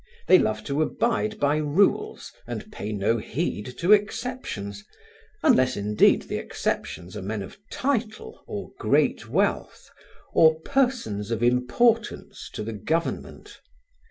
They love to abide by rules and pay no heed to exceptions, unless indeed the exceptions are men of title or great wealth, or "persons of importance" to the Government.